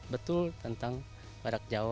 betul tentang badak jawa